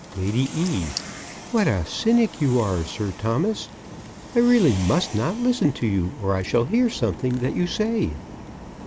LADY E.: What a cynic you are, Sir Thomas. I really must not listen to you or I shall hear something that you say.